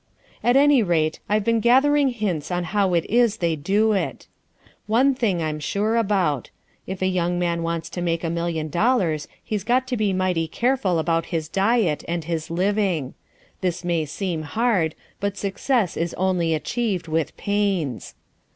At any rate, I've been gathering hints on how it is they do it. One thing I'm sure about. If a young man wants to make a million dollars he's got to be mighty careful about his diet and his living. This may seem hard. But success is only achieved with pains.